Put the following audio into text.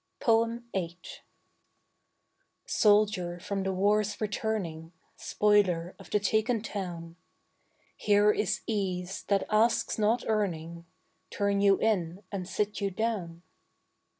VIII. Soldier from the wars returning, Spoiler of the taken town, Here is ease that asks not earning; Turn you in and sit you down.